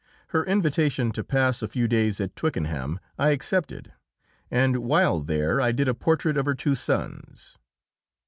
Her invitation to pass a few days at Twickenham I accepted, and while there I did a portrait of her two sons.